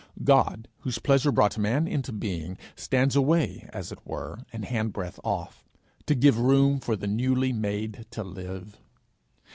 God, whose pleasure brought Man into being, stands away As it were, an handbreath off, to give Boom for the newly made to live.